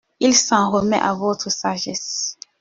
Il s’en remet à votre sagesse.